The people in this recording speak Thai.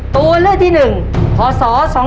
ตัวเลือกที่๑พศ๒๕๖